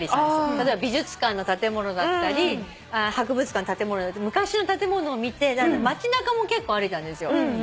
例えば美術館の建物だったり博物館の建物昔の建物を見て街中も結構歩いたんですよ。